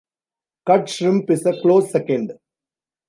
Cut shrimp is a close second.